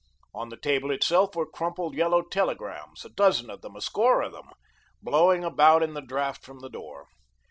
On the table itself were crumpled yellow telegrams, a dozen of them, a score of them, blowing about in the draught from the door.